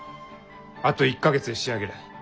あと１か月で仕上げる。